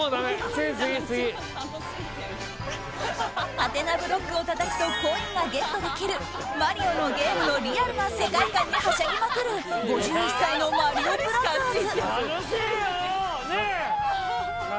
ハテナブロックをたたくとコインがゲットできるマリオのゲームのリアルな世界観にはしゃぎまくる５１歳のマリオブラザーズ。